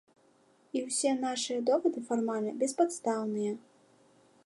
І ўсе нашыя довады фармальна беспадстаўныя.